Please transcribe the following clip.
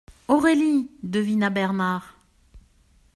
«Aurélie !» devina Bernard.